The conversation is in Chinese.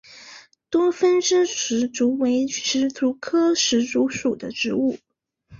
多分枝石竹为石竹科石竹属的植物。